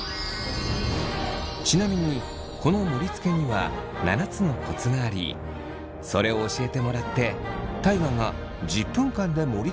ちなみにこの盛りつけには７つのコツがありそれを教えてもらって大我が１０分間で盛りつけたのがこちら。